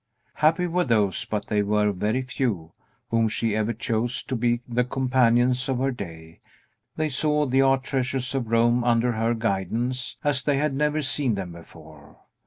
Happy were those (but they were very few) whom she ever chose to be the companions of her day; they saw the art treasures of Rome, under her guidance, as they had never seen them before.